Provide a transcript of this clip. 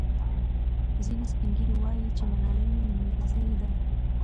ځینې سپین ږیري وایي چې ملالۍ نورزۍ وه.